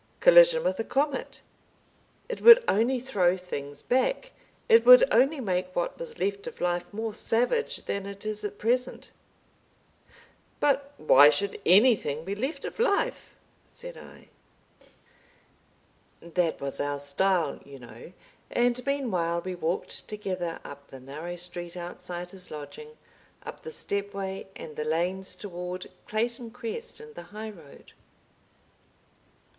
"Collision with a comet. It would only throw things back. It would only make what was left of life more savage than it is at present." "But why should anything be left of life?" said I. ... That was our style, you know, and meanwhile we walked together up the narrow street outside his lodging, up the stepway and the lanes toward Clayton Crest and the high road.